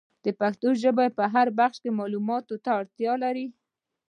پښتو ژبه په هر بخش کي معلوماتو ته اړتیا لري.